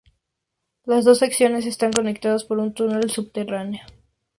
Las dos secciones están conectadas por un túnel subterráneo.